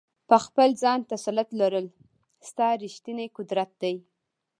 په خپل ځان تسلط لرل، ستا ریښتنی قدرت دی.